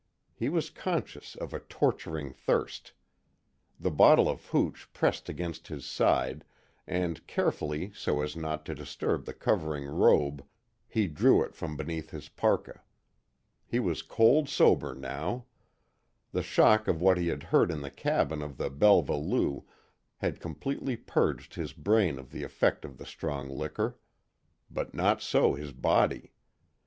He was conscious of a torturing thirst. The bottle of hooch pressed against his side, and carefully so as not to disturb the covering robe, he drew it from beneath his parka. He was cold sober, now. The shock of what he had heard in the cabin of the Belva Lou had completely purged his brain of the effect of the strong liquor. But not so his body.